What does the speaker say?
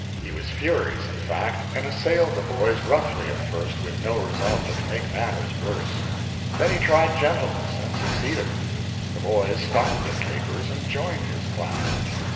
He was furious, in fact, and assailed the boys roughly at first, with no result but to make matters worse. Then he tried gentleness, and succeeded. The boys stopped their capers and joined his class.